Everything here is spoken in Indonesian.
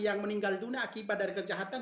yang meninggal dunia akibat dari kejahatan